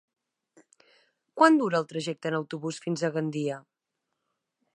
Quant dura el trajecte en autobús fins a Gandia?